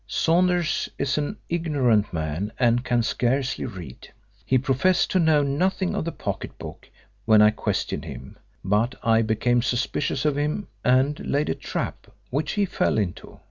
Sanders is an ignorant man, and can scarcely read. He professed to know nothing of the pocket book when I questioned him, but I became suspicious of him, and laid a trap which he fell into.